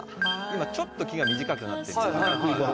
今ちょっと木が短くなってる。